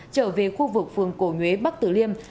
trở về khu vực phường cổ nhuế bắc tử liêm